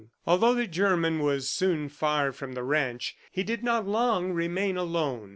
Although the German was soon far from the ranch, he did not long remain alone.